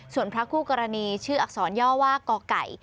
ส่วนพระคู่กรณีชื่ออักษรย่อว่ากไก่